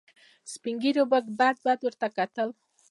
سپين ږيرو به بد بد ورته وکتل.